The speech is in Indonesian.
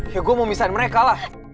ya gue mau misain mereka lah